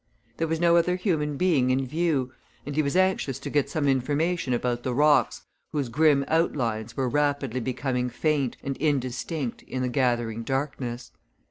There was no other human being in view, and he was anxious to get some information about the rocks whose grim outlines were rapidly becoming faint and indistinct in the gathering darkness.